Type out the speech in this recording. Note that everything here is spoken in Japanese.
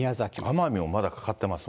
奄美もまだかかってます